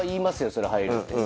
そりゃ入るって。